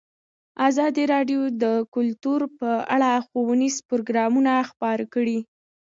ازادي راډیو د کلتور په اړه ښوونیز پروګرامونه خپاره کړي.